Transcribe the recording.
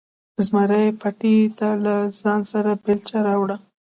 زمري پټي ته له ځانه سره بیلچه راوړه.